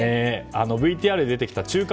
ＶＴＲに出てきた中華